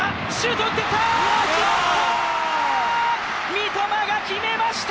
三笘が決めました！